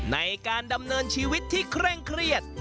ในการดำเนินชีวิตที่เคร่งเครียด